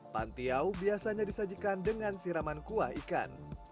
pantiau biasanya disajikan dengan siraman kuah ikan